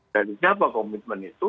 dari siapa komitmen itu